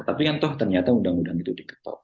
tapi kan toh ternyata undang undang itu diketok